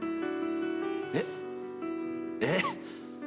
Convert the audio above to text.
えっえっ？